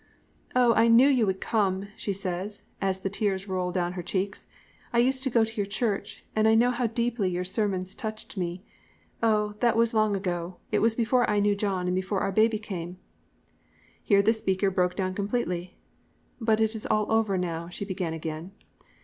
"'Oh, I knew you would come,' she says, as the tears roll down her cheeks; 'I used to go to your church, and I know how deeply your sermons touched me. Oh! That was long ago. It was before I knew John, and before our baby came.' "Here the speaker broke down completely. "'But it's all over now,' she began again.